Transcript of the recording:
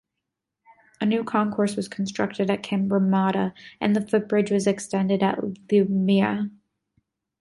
A new concourse was constructed at Cabramatta and the footbridge was extended at Leumeah.